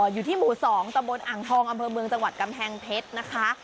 อยู่ที่หมู่๒ตะบนอ่างทองอำเภอเมืองจังหวัดกำแพงเพชรนะคะ